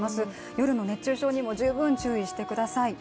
夜の熱中症にも十分注意してください。